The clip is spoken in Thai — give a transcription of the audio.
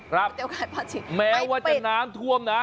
ครับแม้ว่าจะน้ำท่วมนะ